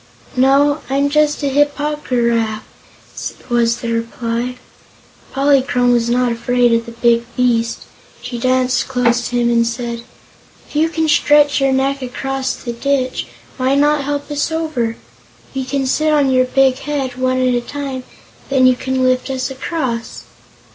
"No, I'm just a Hip po gy raf," was the reply. Polychrome was not afraid of the big beast. She danced close to him and said: "If you can stretch your neck across the ditch, why not help us over? We can sit on your big head, one at a time, and then you can lift us across."